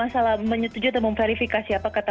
salah menyetujui atau memverifikasi apa kata